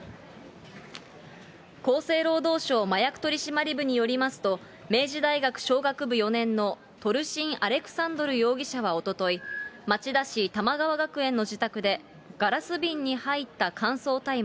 厚生労働省麻薬取締部によりますと、明治大学商学部４年のトルシン・アレクサンドル容疑者はおととい、町田市玉川学園の自宅で、ガラス瓶に入った乾燥大麻